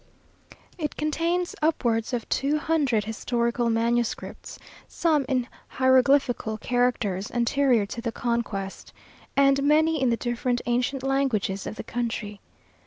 It contains upwards of two hundred historical manuscripts, some in hieroglyphical characters anterior to the conquest, and many in the different ancient languages of the country.